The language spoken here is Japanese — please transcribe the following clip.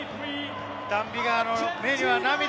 ダン・ビガーの目には涙。